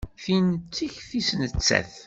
Tin d tikti-s nettat.